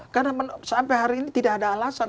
karena sampai hari ini tidak ada alasan